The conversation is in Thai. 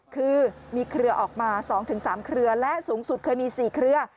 คือมีเครือออกมา๒๓เครือและสูงสุดเคยมี๔เครือ